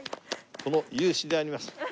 この勇姿であります。